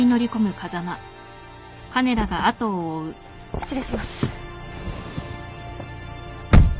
失礼します。